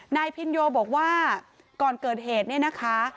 นายพินโยบอกว่าก่อนเกิดเหตุเนี่ยนะคะ